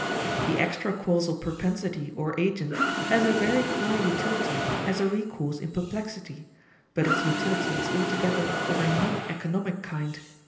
The extra causal propensity or agent has a very high utility as a recourse in perplexity, but its utility is altogether of a non economic kind.